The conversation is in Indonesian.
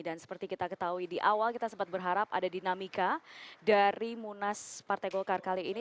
dan seperti kita ketahui di awal kita sempat berharap ada dinamika dari munas partai golkar kali ini